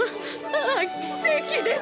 ああ奇蹟です！